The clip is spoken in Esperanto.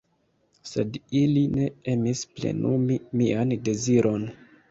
Sed ili ne emis plenumi mian deziron.